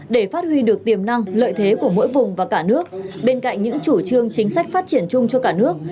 để phát huy được tiềm năng lợi thế của mỗi vùng và cả nước bên cạnh những chủ trương chính sách phát triển chung cho cả nước